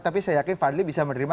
tapi saya yakin fadli bisa menerima